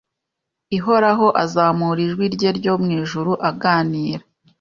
ihoraho azamura ijwi rye ryo mwijuru Aganira